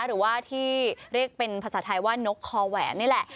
หรือว่าที่เรียกเป็นภาษาไทยว่านกคอแหวนนี่แหละ